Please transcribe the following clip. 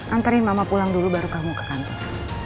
anteri mama pulang dulu baru kamu ke kantor